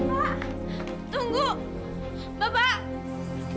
pak tunggu bapak